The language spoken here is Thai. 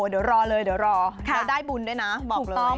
เดี๋ยวรอเลยเดี๋ยวรอแล้วได้บุญด้วยนะบอกเลย